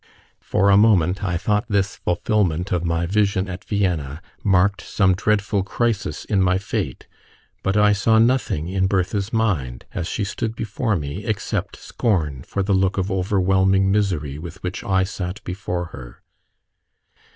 For a moment I thought this fulfilment of my vision at Vienna marked some dreadful crisis in my fate, but I saw nothing in Bertha's mind, as she stood before me, except scorn for the look of overwhelming misery with which I sat before her